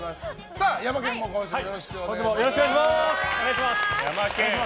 ヤマケンも今週もよろしくお願いします。